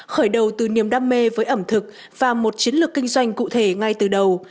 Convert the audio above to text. khởi đầu từ niềm đam mê với ẩm thực và một chiến lược kinh doanh cụ thể ngay từ đầu